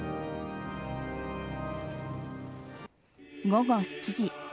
午後７時。